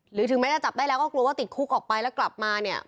หรือถึงไม่ได้จับได้แล้วก็กลัวว่าติดคุกออกไปแล้วกลับมา